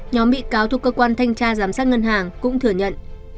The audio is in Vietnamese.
nhóm bị cáo thuộc cơ quan thanh tra giám sát ngân hàng cũng thừa nhận